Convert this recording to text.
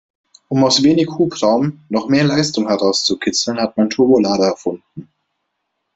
Um aus wenig Hubraum noch mehr Leistung herauszukitzeln, hat man Turbolader erfunden.